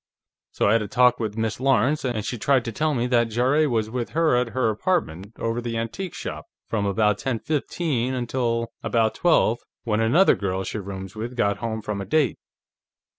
So I had a talk with Miss Lawrence, and she tried to tell me that Jarrett was with her at her apartment, over the antique shop, from about ten fifteen until about twelve, when another girl she rooms with got home from a date.